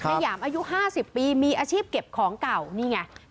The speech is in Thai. หยามอายุ๕๐ปีมีอาชีพเก็บของเก่านี่ไง